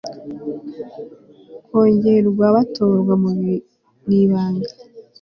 kongerwa Batorwa mu ibanga